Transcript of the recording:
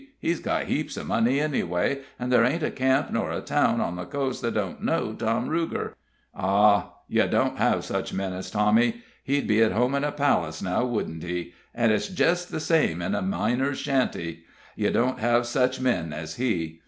He's got heaps o' money anyway, and there ain't a camp nor a town on the coast that don't know Tom Ruger. Ah, ye don't have such men as Tommy. He'd be at home in a palace, now wouldn't he? And it's jest the same in a miner's shanty. Ye don't have such men as he.